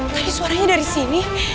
tadi suaranya dari sini